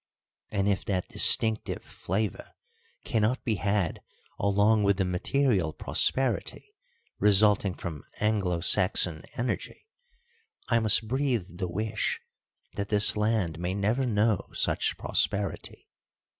And if that distinctive flavour cannot be had along with the material prosperity resulting from Anglo Saxon energy, I must breathe the wish that this land may never know such prosperity.